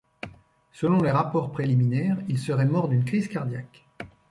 Selon les rapports préliminaires, il serait mort d'une crise cardiaque.